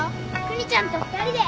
邦ちゃんと二人で。